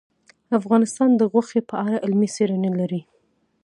افغانستان د غوښې په اړه علمي څېړنې لري.